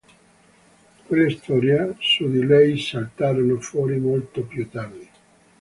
Quelle storie su di lei saltarono fuori molto più tardi.